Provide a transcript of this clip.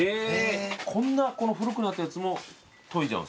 こんな古くなったやつも研いじゃうんですか？